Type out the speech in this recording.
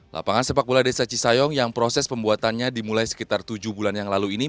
lapangan sepak bola desa cisayong yang proses pembuatannya dimulai sekitar tujuh bulan yang lalu ini